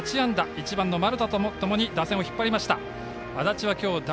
１番の丸田とともに打線を引っ張りました。